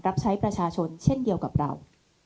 รับใช้ประชาชนเช่นเดียวกับเรา